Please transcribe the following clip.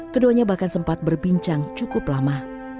keduanya bahkan sempat berbincang cukup lama